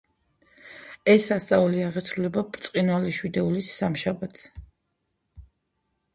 ეს სასწაული აღესრულა ბრწყინვალე შვიდეულის სამშაბათს.